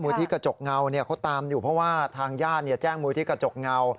ที่กระจกเงาเขาตามอยู่เพราะว่าทางญาติแจ้งมูลที่กระจกเงา